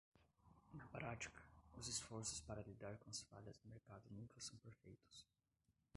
Na prática, os esforços para lidar com as falhas do mercado nunca são perfeitos.